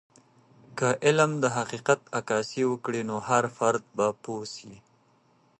که علم د حقیقت عکاسي وکړي، نو هر فرد به پوه سي.